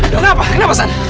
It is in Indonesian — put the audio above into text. kenapa kenapa san